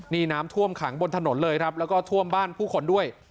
นี่น้ำท่วมขังบนถนนเลยครับแล้วก็ท่วมบ้านผู้คนด้วย